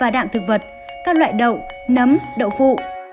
và đạn thực vật các loại đậu nấm đậu phụ